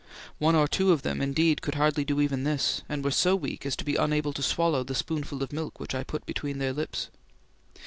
One or two of them, indeed, could hardly do even this, and were so weak as to be unable to swallow the spoonful of milk which I put between their lips.